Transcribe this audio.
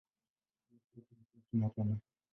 Halafu wote hukaa kimya tena.